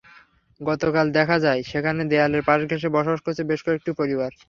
গতকাল দেখা যায়, সেখানে দেয়ালের পাশ ঘেঁষে বসবাস করছে বেশ কয়েকটি পরিবার।